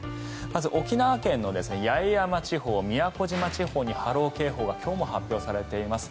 まず沖縄県の八重山地方、宮古島地方に波浪警報が今日も発表されています。